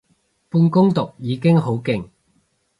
半工讀已經好勁